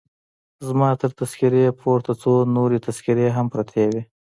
زما تر تذکیرې پورته څو نورې تذکیرې هم پرتې وې.